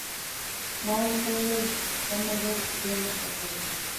ما ورته وویل: سمه ده، چې ته نه خوښوې.